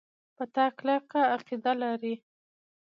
په تا کلکه عقیده لري.